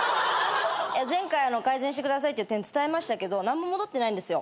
前回改善してくださいっていう点伝えましたけど何も戻ってないんですよ。